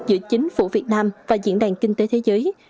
giữa chính phủ việt nam và diễn đàn kinh tế thế giới